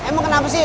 emang kenapa sih